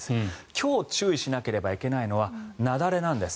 今日注意しなければいけないのは雪崩なんです。